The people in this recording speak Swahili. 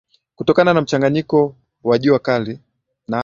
kutokana na mchanganyiko wa jua kali na